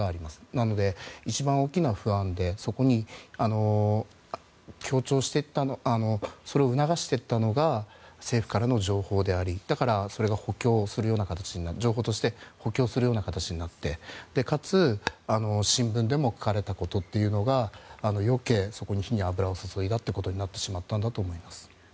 なので、一番大きいのは不安でそれを促していったのが政府からの情報でありだからそれが情報として補強するような形になってかつ、新聞でも書かれたことというのが余計そこに火に油を注いだことになってしまったんだと思います。